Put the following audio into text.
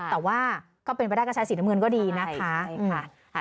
แต่ว่าก็เป็นไปได้ก็ใช้สีน้ำเงินก็ดีนะคะใช่ค่ะ